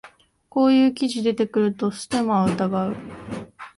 こういう記事出てくるとステマを疑う